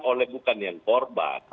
oleh bukannya yang korban